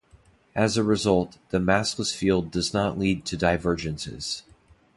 As a result, the massless field does not lead to divergences.